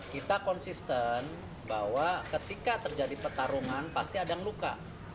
kita konsisten bahwa ketika terjadi pertarungan pasti ada yang luka